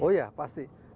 oh ya pasti